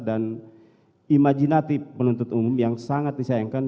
dan imajinatif penuntut umum yang sangat disayangkan